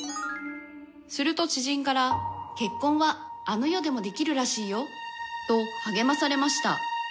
「すると知人から『結婚はあの世でもできるらしいよ』と励まされました」